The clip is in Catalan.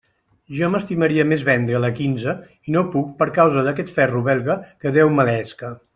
Jo m'estimaria més vendre'l a quinze i no puc per causa d'aquest ferro belga, que Déu maleesca.